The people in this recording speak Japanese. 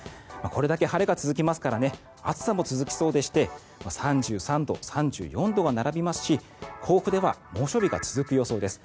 これだけ晴れが続きますから暑さも続きそうでして３３度、３４度が並びますし甲府では猛暑日が続く予想です。